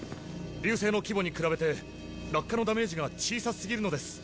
流星の規模に比べて落下のダメージが小さすぎるのです。